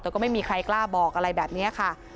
แต่ก็ไม่มีใครกล้าบอกอะไรแบบนี้ค่ะ